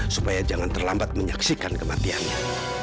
supaya jangan terlambat menyaksikan kematiannya